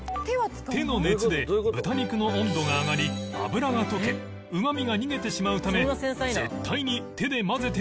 手の熱で豚肉の温度が上がり脂が溶けうまみが逃げてしまうため絶対に手で混ぜてはいけない